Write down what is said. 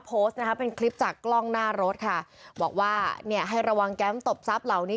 โพสต์นะคะเป็นคลิปจากกล้องหน้ารถค่ะบอกว่าเนี่ยให้ระวังแก๊งตบทรัพย์เหล่านี้